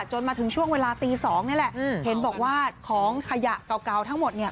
มาถึงช่วงเวลาตีสองนี่แหละเห็นบอกว่าของขยะเก่าทั้งหมดเนี่ย